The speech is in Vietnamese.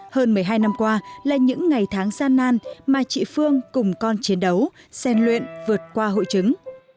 hơn một mươi hai năm qua là những ngày tháng gian nan mà chị phương cùng con chiến đấu xen luyện vượt qua hội chứng